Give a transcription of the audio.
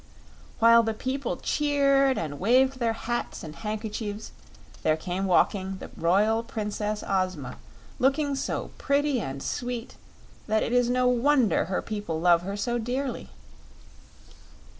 While the people cheered and waved their hats and handkerchiefs, there came walking the Royal Princess Ozma, looking so pretty and sweet that it is no wonder her people love her so dearly.